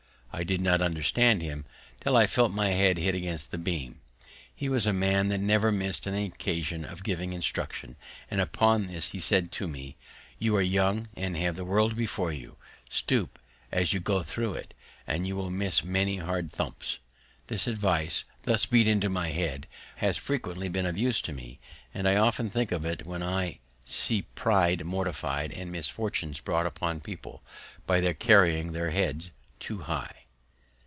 _" I did not understand him, till I felt my head hit against the beam. He was a man that never missed any occasion of giving instruction, and upon this he said to me, "You are young, and have the world before you; stoop as you go through it, and you will miss many hard thumps." This advice, thus beat into my head, has frequently been of use to me; and I often think of it, when I see pride mortified, and misfortunes brought upon people by their carrying their heads too high.